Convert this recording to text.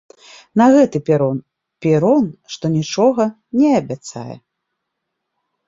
На гэты перон, перон, што нічога не абяцае.